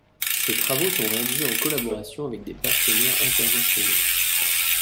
Ces travaux sont réalisés en collaboration avec des partenaires internationaux.